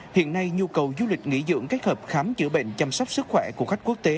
hiện nay nhu cầu du lịch nghỉ dưỡng các hợp khám chữa bệnh chăm sóc sức khỏe của khách quốc tế